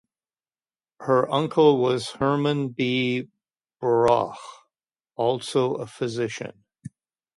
Her uncle was Herman B. Baruch, also a physician.